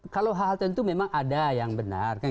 kalau hal tentu memang ada yang benar